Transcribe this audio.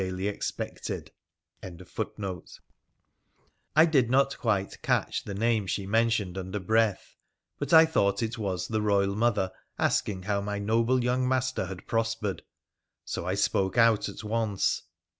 l _ I did not quite catch the name she mentioned under breath, but I thought it was the Royal mother asking how my noble young master had prospered, so I spoke out at once.